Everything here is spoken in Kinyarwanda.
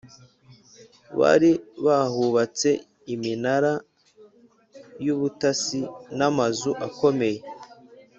bari bahubatse iminara y’ubutasi n’amazu akomeye,